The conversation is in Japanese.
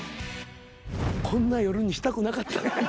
こんな夜にしたくなかった。